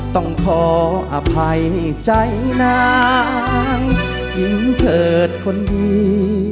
ต้องขออภัยใจนางหญิงเถิดคนดี